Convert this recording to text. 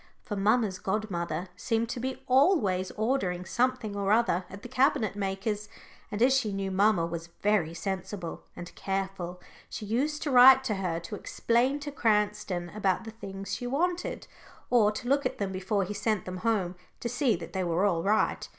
For mamma's godmother seemed to be always ordering something or other at the cabinet maker's, and as she knew mamma was very sensible and careful, she used to write to her to explain to Cranston about the things she wanted, or to look at them before he sent them home, to see that they were all right.